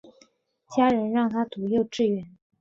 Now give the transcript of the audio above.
家人让她读幼稚园